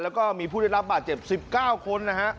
แล้วก็มีผู้ได้รับบาดเจ็บ๑๙คนนะฮะ